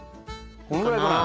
このぐらいかな？